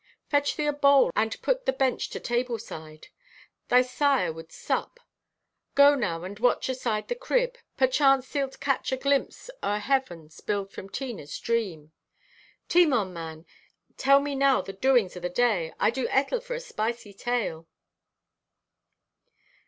Fetch thee a bowl and put the bench to table side. Thy sire wouldst sup. Go now and watch aside the crib. Perchance thee'lt catch a glimpse o' heaven spilled from Tina's dream. "Timon, man, tell me now the doings o' the day. I do ettle for a spicey tale."